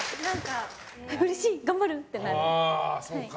うれしい！頑張る！ってなります。